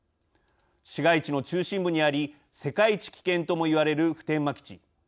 市街地の中心部にあり世界一危険ともいわれる普天間基地。